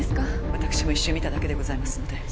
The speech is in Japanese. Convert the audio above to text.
私も一瞬見ただけでございますので。